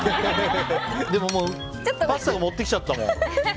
でももうパスタ持ってきちゃったもん。